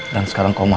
dia harus sembuh